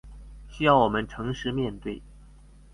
需要我們誠實面對